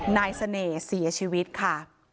นายเสน่ห์เสียชีวิตค่ะ